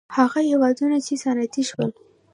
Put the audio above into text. هغه هېوادونه چې صنعتي شول.